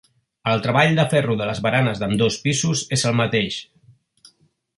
El treball de ferro de les baranes d'ambdós pisos és el mateix.